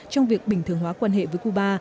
trong việc bình thường hóa quan hệ với cuba